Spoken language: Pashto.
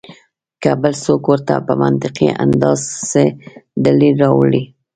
کۀ بل څوک ورته پۀ منطقي انداز څۀ دليل راوړي